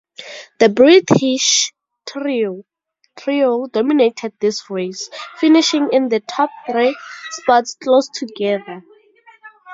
The British trio dominated this race, finishing in the top three spots close together.